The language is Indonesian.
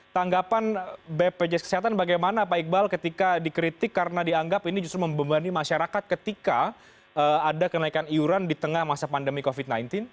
tanggapan bpjs kesehatan bagaimana pak iqbal ketika dikritik karena dianggap ini justru membebani masyarakat ketika ada kenaikan iuran di tengah masa pandemi covid sembilan belas